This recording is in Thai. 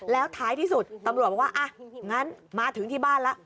แล้วท้ายที่สุดตำรวจบอกว่าอ่ะงั้นมาถึงที่บ้านแล้ว